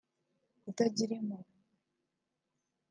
kutagira impuhwe